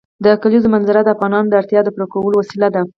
د کلیزو منظره د افغانانو د اړتیاوو د پوره کولو وسیله ده.